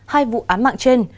hai vụ án mạng trên